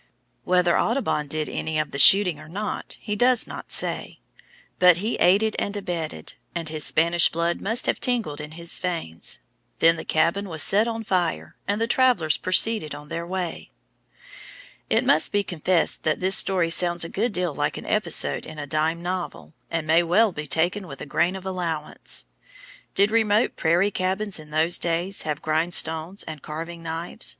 Whether Audubon did any of the shooting or not, he does not say. But he aided and abetted, and his Spanish blood must have tingled in his veins. Then the cabin was set on fire, and the travellers proceeded on their way. It must be confessed that this story sounds a good deal like an episode in a dime novel, and may well be taken with a grain of allowance. Did remote prairie cabins in those days have grindstones and carving knives?